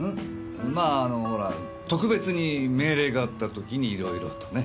まああのほら特別に命令があった時にいろいろとね。